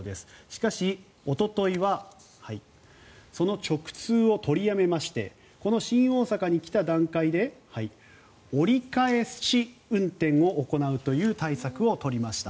しかし、おとといはその直通を取りやめましてこの新大阪に来た段階で折り返し運転を行うという対策を取りました。